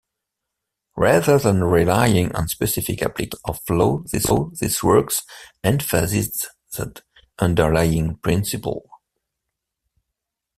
Rather than relying on specific applications of law these works emphasised underlying principles.